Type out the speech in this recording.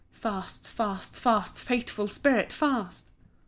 Fast, fast, fast, fateful spirit, fast!"